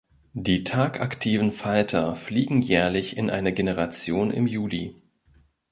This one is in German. Die tagaktiven Falter fliegen jährlich in einer Generation im Juli.